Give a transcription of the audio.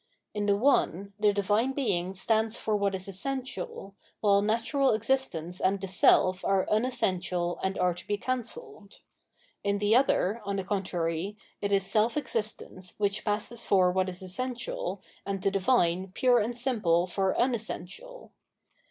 In the one, the Divine Being stands for what is essential, while natural existence and the self are unessential and are to be cancelled. In the other, on the contrary, it is self existence which passes for what is essential and the Divine pure and simple for unessential.